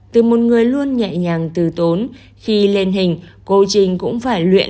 từ một người luôn nhẹ nhàng từ tốn khi lên hình cô trinh cũng phải luyện